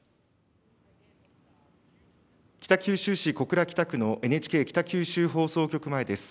北九州市小倉北区のＮＨＫ北九州放送局前です。